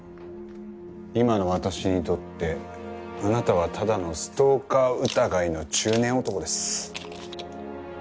今の私にとってあなたはただのストーカー疑いの中年男です。